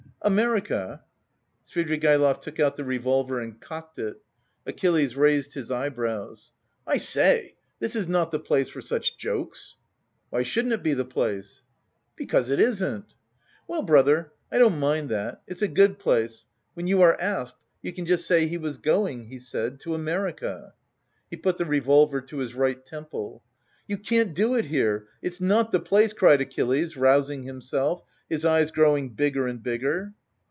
"America." Svidrigaïlov took out the revolver and cocked it. Achilles raised his eyebrows. "I say, this is not the place for such jokes!" "Why shouldn't it be the place?" "Because it isn't." "Well, brother, I don't mind that. It's a good place. When you are asked, you just say he was going, he said, to America." He put the revolver to his right temple. "You can't do it here, it's not the place," cried Achilles, rousing himself, his eyes growing bigger and bigger.